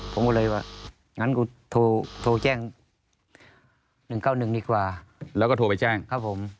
ผมก็เลยว่างั้นกูโทรโทรแจ้งหนึ่งเก้าหนึ่งดีกว่าแล้วก็โทรไปแจ้งครับผม